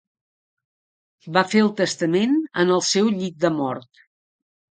Va fer el testament en el seu llit de mort.